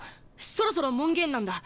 そろそろ門限なんだ。